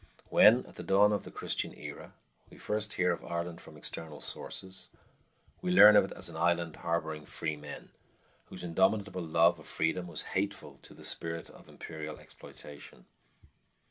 When, at the dawn of the Christian era, we first hear of Ireland from external sources, we learn of it as an island harboring free men, whose indomitable love of freedom was hateful to the spirit of imperial exploitation.